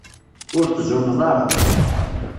Ur tzunneḍ ara.